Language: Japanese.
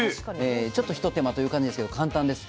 ちょっとひと手間という感じですけど簡単です。